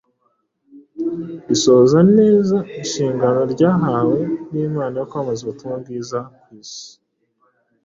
risohoza neza inshingano ryahawe n’Imana yo kwamamaza ubutumwa bwiza ku b’isi.